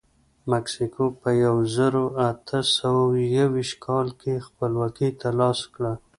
مکسیکو په یو زرو اته سوه یوویشت کال کې خپلواکي ترلاسه کړه.